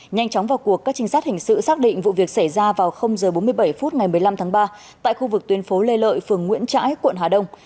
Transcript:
nhanh chóng vào cuộc các trinh sát hình sự xác định vụ việc xảy ra vào h bốn mươi bảy phút ngày một mươi năm tháng ba tại khu vực tuyến phố lê lợi phường nguyễn trãi quận hà đông